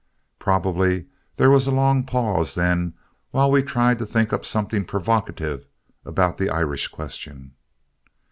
Probably there was a long pause then while we tried to think up something provocative about the Irish question.